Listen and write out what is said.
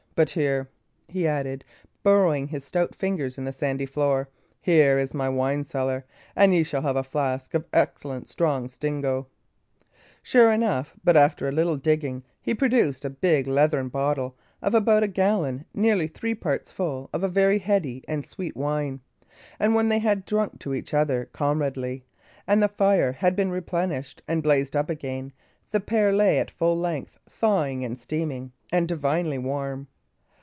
But here," he added, burrowing with his stout fingers in the sandy floor, "here is my wine cellar; and ye shall have a flask of excellent strong stingo." Sure enough, after but a little digging, he produced a big leathern bottle of about a gallon, nearly three parts full of a very heady and sweet wine; and when they had drunk to each other comradely, and the fire had been replenished and blazed up again, the pair lay at full length, thawing and steaming, and divinely warm.